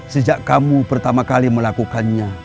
sejak kamu pertama kali melakukannya